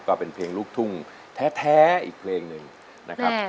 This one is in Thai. ก็เป็นเพลงลูกทุ่งแท้อีกเพลงหนึ่งนะครับ